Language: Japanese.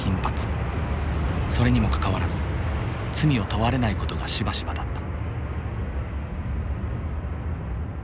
それにもかかわらず罪を問われないことがしばしばだった。